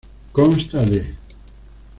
Consta de:.